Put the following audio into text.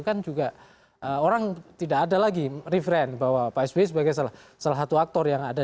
kan juga orang tidak ada lagi reference bahwa pak sby sebagai salah satu aktor yang ada